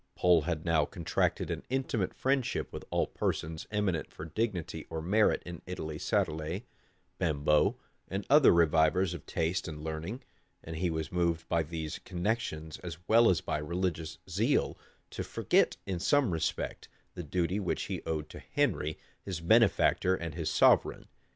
Pole had now contracted an intimate friendship with all persons eminent for dignity or merit in Italy Sadolet, Bembo, and other revivers of true taste and learning; and he was moved by these connections, as well as by religious zeal, to forget, in some respect, the duty which he owed to Henry, his benefactor and his sovereign.